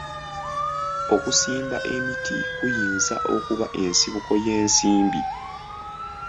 Okusimba emiti kuyinza okuba ensibuko y'ensimbi.